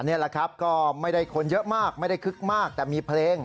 นี่แหละครับก็ไม่ได้คนเยอะมากไม่ได้คึกมากแต่มีเพลง